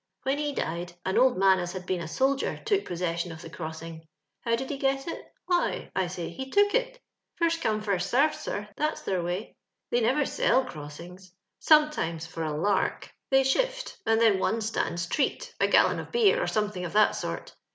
*' When he died, an old man, as had been a soldier, took possession of the crossing. How did he get it? Why. I say, he took it. First come, &st sarved, sir ; that's their way. They never sell crossings. Sometimes (for a lark) they shift, and then one stands treat— a gal lon of beer, or something of that sort.